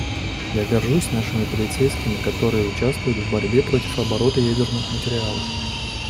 Я горжусь нашими полицейскими, которые участвуют в борьбе против оборота ядерных материалов.